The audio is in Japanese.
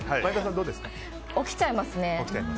起きちゃいますね。